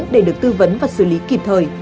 để được tư vấn và xử lý kịp thời